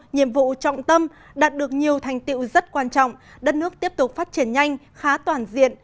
nhiệm vụ trọng tâm đạt được nhiều thành tiệu rất quan trọng đất nước tiếp tục phát triển nhanh khá toàn diện